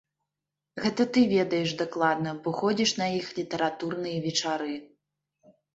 Гэта ты ведаеш дакладна, бо ходзіш на іх літаратурныя вечары.